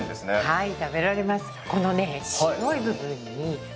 はい！